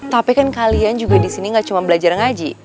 tapi kan kalian juga di sini gak cuma belajar ngaji